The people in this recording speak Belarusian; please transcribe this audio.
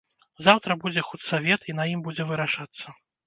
Заўтра будзе худсавет, і на ім будзе вырашацца.